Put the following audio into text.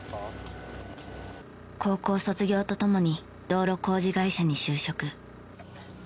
高校卒業と共に道路工事会社に就職。